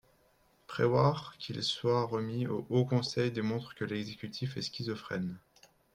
Prévoir qu’il soit remis au Haut Conseil démontre que l’exécutif est schizophrène